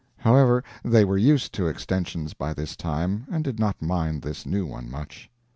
However, they were used to extensions by this time, and did not mind this new one much.